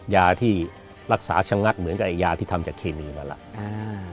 ยาที่รักษาชะงัดเหมือนกับยาที่ทำจากเคมีมาแล้ว